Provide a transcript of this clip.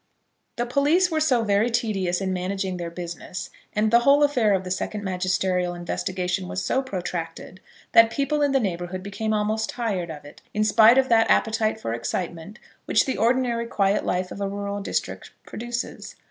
The police were so very tedious in managing their business, and the whole affair of the second magisterial investigation was so protracted, that people in the neighbourhood became almost tired of it, in spite of that appetite for excitement which the ordinary quiet life of a rural district produces.